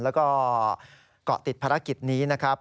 แล้วก็เกาะติดภารกิจนี้นะครับ